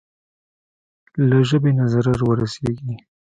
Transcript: له ژبې نه ضرر ورسېږي.